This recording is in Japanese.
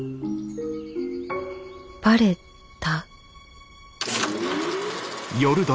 バレた？